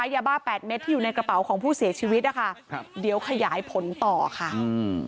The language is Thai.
ยาบ้าแปดเม็ดที่อยู่ในกระเป๋าของผู้เสียชีวิตนะคะครับเดี๋ยวขยายผลต่อค่ะอืม